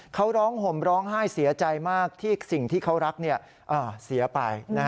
เขาร้องห่มร้องไห้เสียใจมากที่สิ่งที่เขารักเสียไป